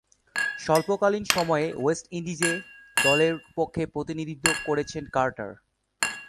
স্বল্পকালীন সময়ে West Indies এ-দলের পক্ষে প্রতিনিধিত্ব করেছেন কার্টার।